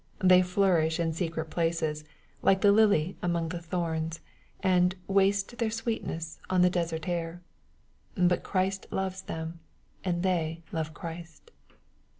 They flourish in secret places like the lily among thorns, and " waste their sweetness on the desert air." But Christ loves them, and they love Christ.